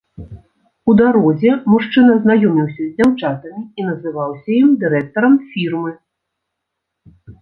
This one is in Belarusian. У дарозе мужчына знаёміўся з дзяўчатамі і называўся ім дырэктарам фірмы.